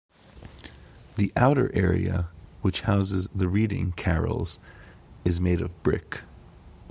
The outer area, which houses the reading carrels, is made of brick.